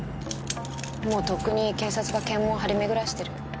もうとっくに警察が検問を張り巡らしてる。